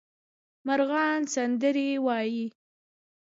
مرغان سندرې وايي